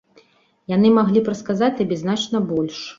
Яны маглі б расказаць табе значна больш.